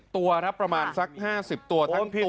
ตัวครับประมาณสัก๕๐ตัวทั้งพี่